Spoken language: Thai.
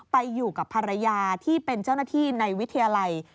ไปอยู่กับภรรยาที่เป็นเจ้าหน้าที่ในวิทยาลัย